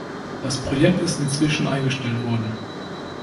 Das Projekt ist inzwischen eingestellt worden.